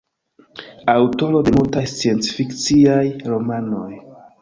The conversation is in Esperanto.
Aŭtoro de multaj sciencfikciaj romanoj.